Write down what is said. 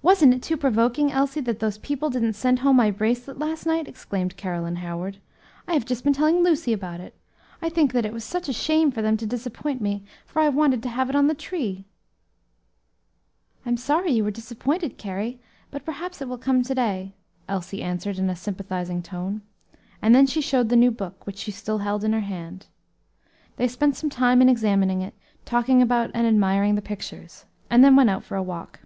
"Wasn't it too provoking, Elsie, that those people didn't send home my bracelet last night?" exclaimed Caroline Howard. "I have just been telling Lucy about it. I think that it was such a shame for them to disappoint me, for I wanted to have it on the tree." "I am sorry you were disappointed, Carry, but perhaps it will come to day," Elsie answered in a sympathizing tone. And then she showed the new book, which she still held in her hand. They spent some time in examining it, talking about and admiring the pictures, and then went out for a walk.